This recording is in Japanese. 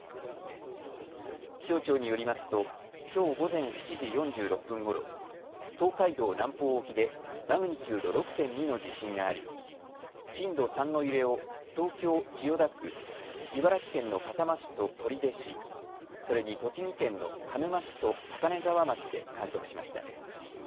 気象庁によりますときょう午前７時４６分ごろ、東海道南方沖でマグニチュード６．２の地震があり震度３の揺れを東京千代田区、茨城県の笠間市と取手市、それに栃木県の鹿沼市と高根沢町で観測しました。